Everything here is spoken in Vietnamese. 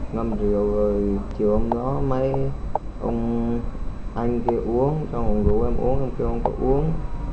ngâm rượu rồi chiều hôm đó mấy ông anh kia uống xong rồi rủ em uống ông kia không có uống